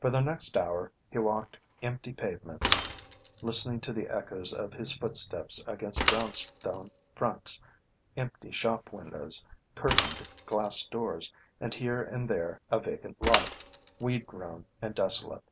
For the next hour he walked empty pavements, listening to the echoes of his footsteps against brownstone fronts, empty shop windows, curtained glass doors, and here and there a vacant lot, weed grown and desolate.